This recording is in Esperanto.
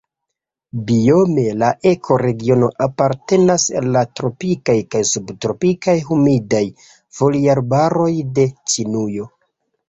Biome la ekoregiono apartenas al la tropikaj kaj subtropikaj humidaj foliarbaroj de Ĉinujo.